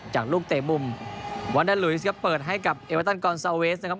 จากลูกเตะมุมวันดาลุยสครับเปิดให้กับเอเวอร์ตันกอนซาเวสนะครับ